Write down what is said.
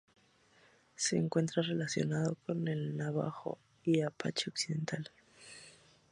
Se encuentra relacionado con el Navajo y Apache occidental.